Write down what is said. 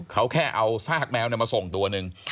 เขาแค่เอาซากแมวมาส่งตัวหนึ่ง